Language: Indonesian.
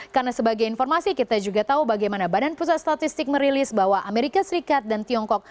karena sebagai informasi kita juga tahu bagaimana badan pusat statistik merilis bahwa amerika serikat dan tiongkok